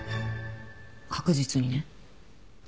確実にね。